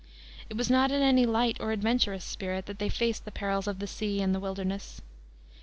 It was not in any light or adventurous spirit that they faced the perils of the sea and the wilderness.